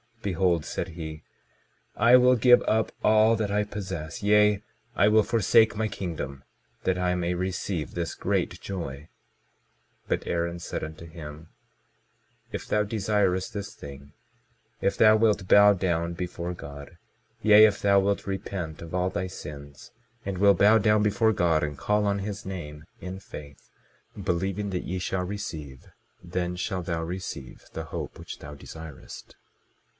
Behold, said he, I will give up all that I possess, yea, I will forsake my kingdom, that I may receive this great joy. 22:16 But Aaron said unto him: If thou desirest this thing, if thou wilt bow down before God, yea, if thou wilt repent of all thy sins, and will bow down before God, and call on his name in faith, believing that ye shall receive, then shalt thou receive the hope which thou desirest.